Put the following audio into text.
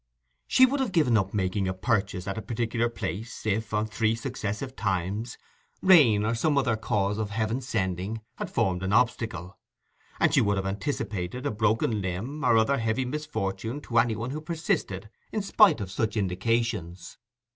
She would have given up making a purchase at a particular place if, on three successive times, rain, or some other cause of Heaven's sending, had formed an obstacle; and she would have anticipated a broken limb or other heavy misfortune to any one who persisted in spite of such indications.